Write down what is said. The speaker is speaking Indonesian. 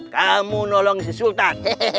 kamu tolong si sultan